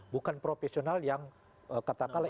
bukan profesional yang katakanlah